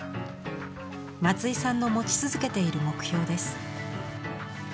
松井さんの持ち続けている目標です。